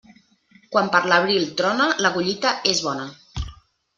Quan per l'abril trona, la collita és bona.